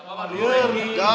gak apa apa diir